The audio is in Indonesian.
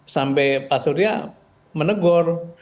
sampai pak surya menegur